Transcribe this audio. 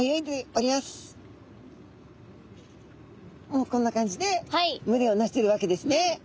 もうこんな感じで群れをなしてるわけですね。